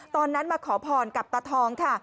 ตอนนั้นมาขอพรกับตาทองค่ะ